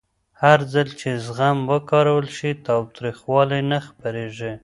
هرځل چې زغم وکارول شي، تاوتریخوالی نه خپرېږي.